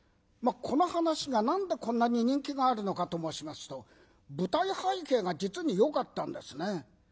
この噺が何でこんなに人気があるのかと申しますと舞台背景が実によかったんですね。